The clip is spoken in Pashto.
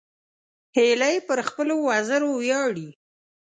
هیلۍ پر خپلو وزرو ویاړي